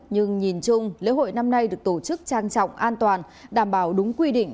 nhưng nhìn chung lễ hội năm nay được tổ chức trang trọng an toàn đảm bảo đúng quy định